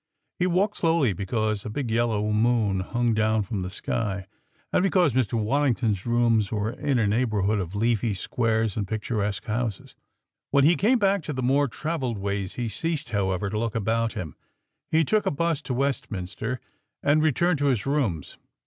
He walked slowly because a big yellow moon hung down from the sky, and because Mr. Waddington's rooms were in a neighborhood of leafy squares and picturesque houses. When he came back to the more travelled ways he ceased, however, to look about him. He took a 'bus to Westminster and returned to his rooms.